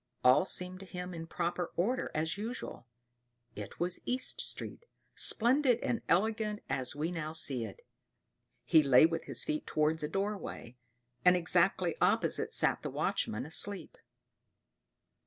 All seemed to him in proper order as usual; it was East Street, splendid and elegant as we now see it. He lay with his feet towards a doorway, and exactly opposite sat the watchman asleep.